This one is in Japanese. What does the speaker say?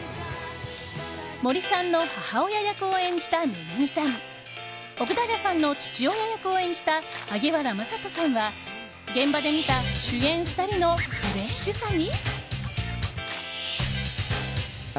森さんの母親役を演じたＭＥＧＵＭＩさん奥平さんの父親役を演じた萩原聖人さんは現場で見た主演の２人のフレッシュさに。